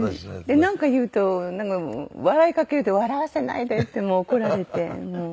でなんか言うと笑いかけると笑わせないでってもう怒られて。